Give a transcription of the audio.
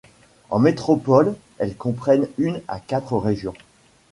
En métropole, elles comprennent une à quatre régions.